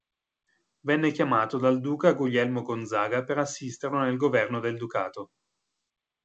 Venne chiamato dal duca Guglielmo Gonzaga per assisterlo nel governo del ducato.